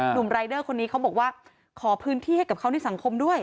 ุ่มรายเดอร์คนนี้เขาบอกว่าขอพื้นที่ให้กับเขาในสังคมด้วย